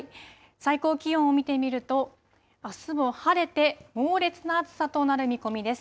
最高気温を見てみると、あすも晴れて猛烈な暑さとなる見込みです。